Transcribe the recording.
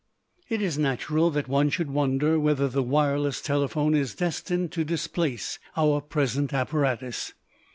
It is natural that one should wonder whether the wireless telephone is destined to displace our present apparatus.